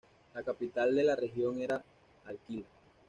La capital de la región era L'Aquila.